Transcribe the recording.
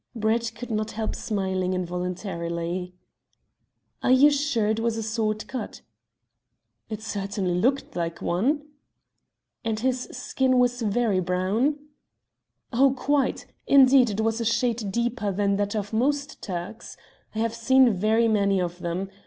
Brett could not help smiling involuntarily. "Are you sure it was a sword cut?" "It certainly looked like one." "And his skin was very brown?" "Oh, quite. Indeed it was a shade deeper than that of most Turks. I have seen very many of them.